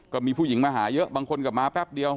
ก็มีผู้หญิงมาหาเยอะบางคนก็มาแป๊บเดียว